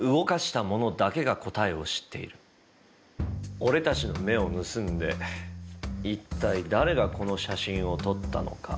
俺たちの目を盗んで一体誰がこの写真を撮ったのか。